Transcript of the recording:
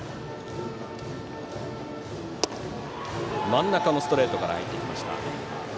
真ん中のストレートから入りました。